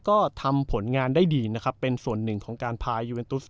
ก็ทำผลงานได้ดีนะครับเป็นส่วนหนึ่งของการพายูเอ็นตุส